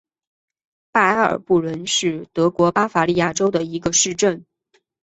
拜埃尔布伦是德国巴伐利亚州的一个市镇。